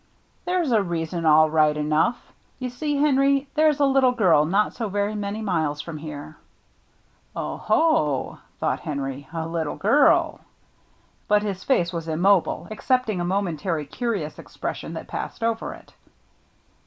"There's a reason all right enough. You see, Henry, there's a little girl not so very many miles from here —"" Oho !" thought Henry, " a little girl !" But his face was immobile, excepting a mo mentary curious expression that passed over it.